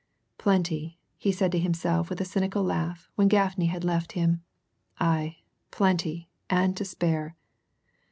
Plenty! he said to himself with a cynical laugh when Gaffney had left him aye, plenty, and to spare.